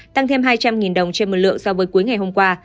tăng thêm hai trăm linh đồng trên một lượng so với cuối ngày hôm qua